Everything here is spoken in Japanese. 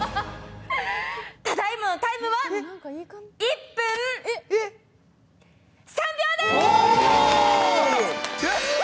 ただいまのタイムは１分３秒です！